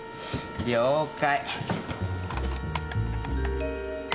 了解。